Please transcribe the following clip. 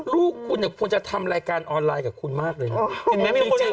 ลูกคุณควรจะทำรายการออนไลน์กับคุณมากเลยครับ